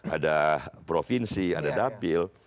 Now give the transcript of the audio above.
ada provinsi ada dapil